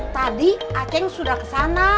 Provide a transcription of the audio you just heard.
tadi akeng sudah kesana